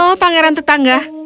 halo pangeran tetangga